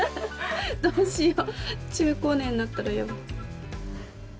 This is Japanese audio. どうしよう中高年になったらやば。